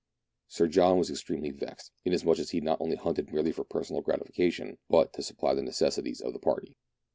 Sir John was extremely vexed, inasmuch as he was not hunting merely for personal gratification, but to supply the neces sities of the party.